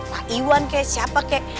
pak iwan kayak siapa kayak